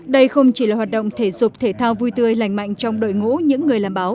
đây không chỉ là hoạt động thể dục thể thao vui tươi lành mạnh trong đội ngũ những người làm báo